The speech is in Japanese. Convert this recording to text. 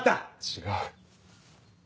違う。